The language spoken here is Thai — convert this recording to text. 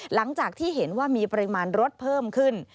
หลังจากที่เห็นว่ามีปริมาณรถเพิ่มขึ้น